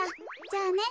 じゃあね。